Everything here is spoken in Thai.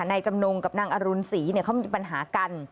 นายจำนงกับนางอรุณศรีเขามีปัญหากัน